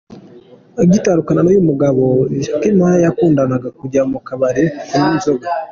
Agitandukana n’uyu mugabo, Joyce Meyer yakundaga kujya mu kabari kunywa inzoga.